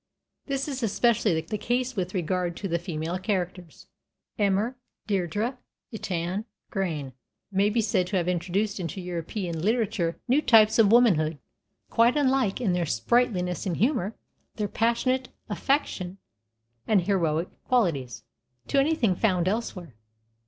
This is especially the case with regard to the female characters. Emer, Deirdre, Etain, Grainne may be said to have introduced into European literature new types of womanhood, quite unlike, in their sprightliness and humor, their passionate affection and heroic qualities, to anything found elsewhere.